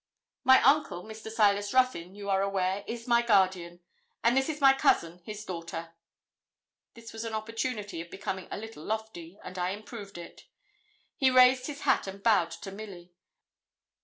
'My uncle, Mr. Silas Ruthyn, you are aware, is my guardian; and this is my cousin, his daughter.' This was an opportunity of becoming a little lofty, and I improved it. He raised his hat and bowed to Milly.